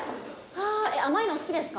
甘いの好きですか？